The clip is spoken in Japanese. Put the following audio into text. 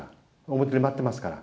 表で待ってますから。